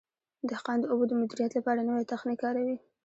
دهقان د اوبو د مدیریت لپاره نوی تخنیک کاروي.